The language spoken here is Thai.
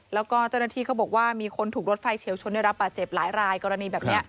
แล้วก็เจ้าหน้าที่เขาบอกว่ามีคนถูกรถไฟเฉียวชนได้รับบาดเจ็บหลายรายกรณีแบบนี้